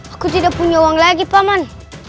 aku tidak punya uang lagi paman